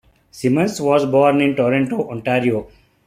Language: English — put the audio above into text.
Simmons was born in Toronto, Ontario.